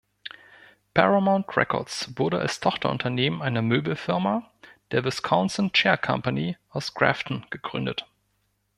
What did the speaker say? Paramount Records wurde als Tochterunternehmen einer Möbelfirma, der "Wisconsin Chair Company" aus Grafton gegründet.